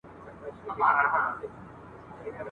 چي پیدا دی یو پر بل باندي بلوسیږي !.